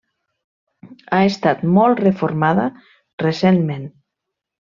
Ha estat molt reformada recentment.